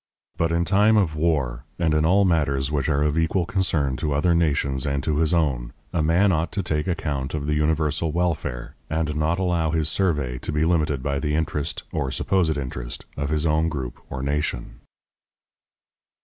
But in time of war, and in all matters which are of equal concern to other nations and to his own, a man ought to take account of the universal welfare, and not allow his survey to be limited by the interest, or supposed interest, of his own group or nation.